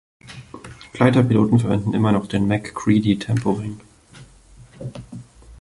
Gleiterpiloten verwenden immer noch den „MacCready-Temporing“.